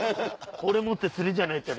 これ持って釣りじゃないって。